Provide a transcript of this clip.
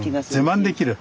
自慢できる。